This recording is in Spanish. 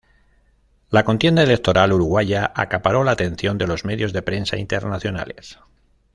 La contienda electoral uruguaya acaparó la atención de los medios de prensa internacionales.